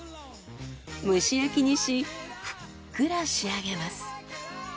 蒸し焼きにしふっくら仕上げます。